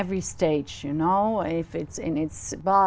và kỷ niệm của nền kinh tế